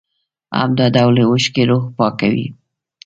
همدا ډول اوښکې روح پاکوي.